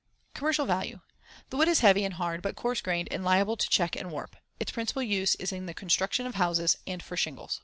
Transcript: Commercial value: The wood is heavy and hard but coarse grained and liable to check and warp. Its principal use is in the construction of houses and for shingles.